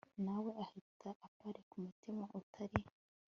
nawe ahita aparika umutima utari